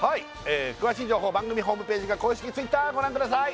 詳しい情報番組ホームページか公式Ｔｗｉｔｔｅｒご覧ください